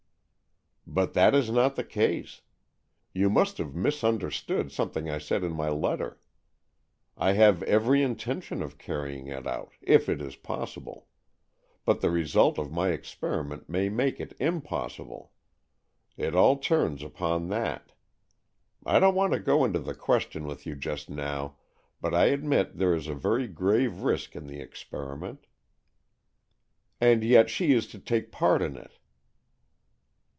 " But that is not the case. You must have misunderstood something I said in my letter. I have every intention of carrying it out, if it is possible. But the result of my experi ment may make it impossible. It all turns upon that. I don't want to go into the ques tion with you just now, but I admit there is a very grave risk in the experiment." " And yet she is to take part in it."